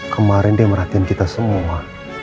kemarin dia merhatikan kita semua